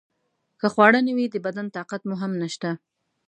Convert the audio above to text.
که خواړه نه وي د بدن طاقت مو هم نشته.